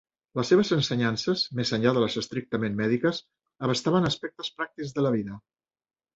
Les seves ensenyances, més enllà de les estrictament mèdiques, abastaven aspectes pràctics de la vida.